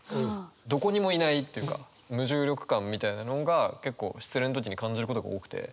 どこにもいないというか無重力感みたいなのが結構失恋の時に感じることが多くて。